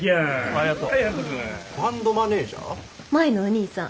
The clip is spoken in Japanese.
舞のお兄さん。